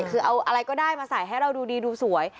คือเอาอะไรก็ได้มาใส่ให้เราดูดีดูสวย